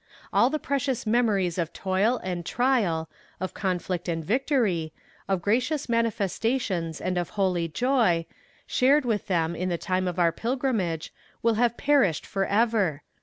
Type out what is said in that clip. All the precious memories of toil and trial, of conflict and victory, of gracious manifestations and of holy joy, shared with them in the time of our pilgrimage, will have perished forever.